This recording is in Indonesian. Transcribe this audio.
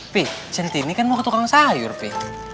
pih centini kan mau ke tukang sayur pi